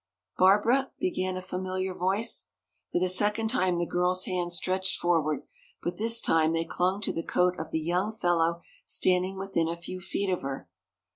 "Barbara," began a familiar voice. For the second time the girl's hands stretched forward, but this time they clung to the coat of the young fellow standing within a few feet of her.